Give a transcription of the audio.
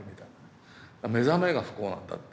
目覚めが不幸なんだって。